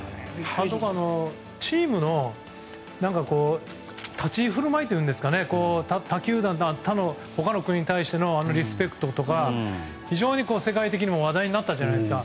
浅尾さん、チームの立ち居振る舞いというか他の国に対してのリスペクトとか非常に世界的にも話題になったじゃないですか。